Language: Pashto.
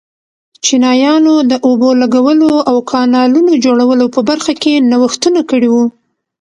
چینایانو د اوبو لګولو او کانالونو جوړولو په برخه کې نوښتونه کړي وو.